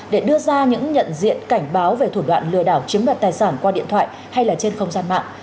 để đưa ra những nhận diện cảnh báo về thủ đoạn lừa đảo chiếm đoạt tài sản qua điện thoại hay là trên không gian mạng